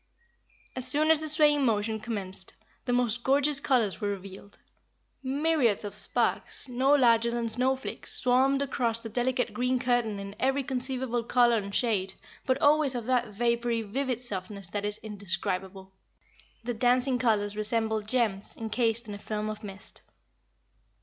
As soon as the swaying motion commenced, the most gorgeous colors were revealed. Myriads of sparks, no larger than snow flakes, swarmed across the delicate green curtain in every conceivable color and shade, but always of that vapory, vivid softness that is indescribable. The dancing colors resembled gems encased in a film of mist.